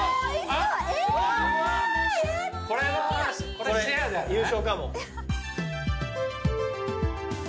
これ優勝かも。